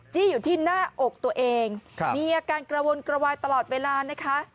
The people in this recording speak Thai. อยู่ที่หน้าอกตัวเองมีอาการกระวนกระวายตลอดเวลานะคะ